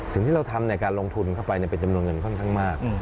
สิ่งที่เราทำในการลงทุนเข้าไปเป็นจำนวนเงินค่อนข้างมาก